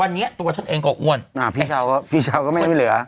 วันนี้ตัวชนเองก็อ้วนพี่เช้าก็ไม่เหลือ